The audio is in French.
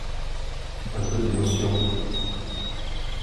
Un peu d’émotion…